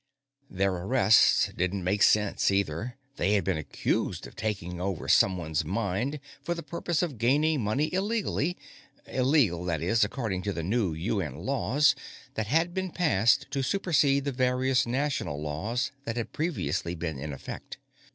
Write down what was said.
Their arrests didn't make sense, either; they had been accused of taking over someone's mind for the purpose of gaining money illegally illegal, that is, according to the new UN laws that had been passed to supersede the various national laws that had previously been in effect.